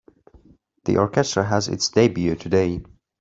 The orchestra has its debut today.